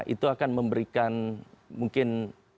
itu akan memberikan mungkin